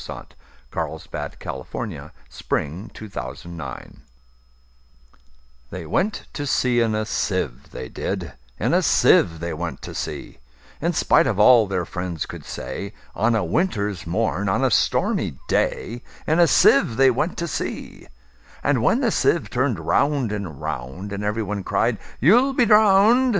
1895. Edward Lear 1812–88 The Jumblies Lear Edw THEY went to sea in a sieve, they did; In a sieve they went to sea; In spite of all their friends could say, On a winter's morn, on a stormy day, In a sieve they went to sea. And when the sieve turn'd round and round, And every one cried, "You 'll be drown'd!"